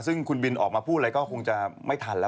ซึ่งคุณบินออกมาพูดอะไรก็คงจะไม่ทันแล้ว